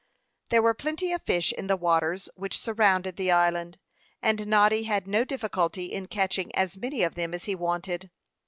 There were plenty of fish in the waters which surrounded the island, and Noddy had no difficulty in catching as many of them as he wanted.